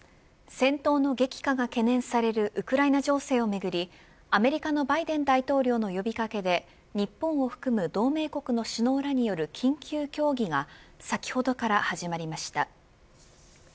戦闘の激化が懸念されるウクライナ情勢をめぐりアメリカのバイデン大統領の呼び掛けで日本を含む同盟国の首脳らによる緊急協議が先ほどから始まりました。